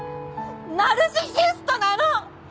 「ナルシシスト」なの！